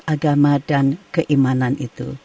agama dan keimanan itu